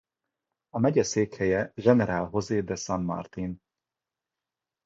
A megye székhelye General José de San Martín.